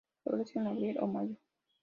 Florece en abril o mayo.